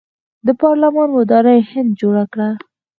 د پارلمان ودانۍ هند جوړه کړه.